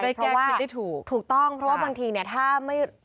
ได้แกล้คิดได้ถูกถูกต้องเพราะว่าบางทีถ้าไม่